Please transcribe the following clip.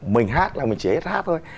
mình hát là mình chỉ hát thôi